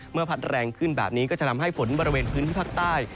พัดแรงขึ้นแบบนี้ก็จะทำให้ฝนบริเวณพื้นที่ภาคใต้